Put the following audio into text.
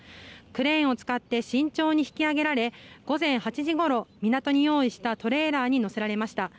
クレーンを使って慎重に引き揚げられ午前８時ごろ港に用意されたトレーラーに載せられました。